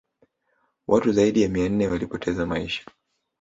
watu zaidi ya mia nane walipoteza maisha